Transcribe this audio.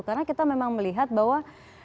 karena kita memang melihat bahwa